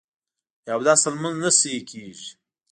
بې اودسه لمونځ نه صحیح کېږي